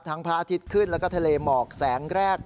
พระอาทิตย์ขึ้นแล้วก็ทะเลหมอกแสงแรก